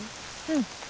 うん。